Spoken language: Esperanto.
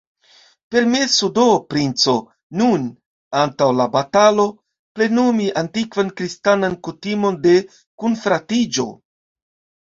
Permesu do, princo, nun, antaŭ la batalo, plenumi antikvan kristanan kutimon de kunfratiĝo!